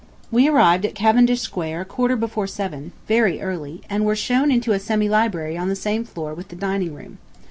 We arrived at Cavendish Square a quarter before seven (very early) and were shown into a semi library on the same floor with the dining room.